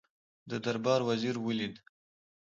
د دربار وزیر ولید.